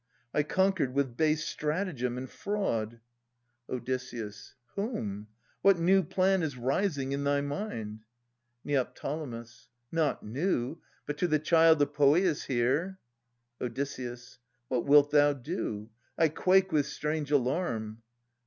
I conquered with base stratagem and fraud Od. Whom ? What new plan is rising in thy mind ? Neo. Not new. But to the child of Poeas here Od. What wilt thou do? I quake with strange alarm.